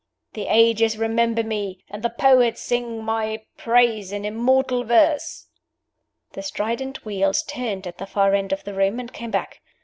The ages remember me, and the poets sing my praise in immortal verse!" The strident wheels turned at the far end of the room and came back.